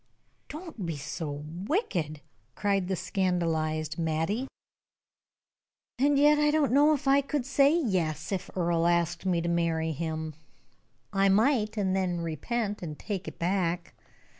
"Don't be so wicked," cried the scandalized Mattie. "And yet I don't know that I could say 'yes,' if Earle asked me to marry him. I might, and then repent, and take it back.